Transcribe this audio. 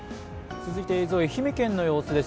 続いて映像、愛媛県の様子です。